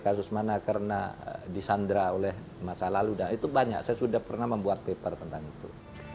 kasus mana karena disandra oleh masa lalu dan itu banyak saya sudah pernah membuat paper tentang itu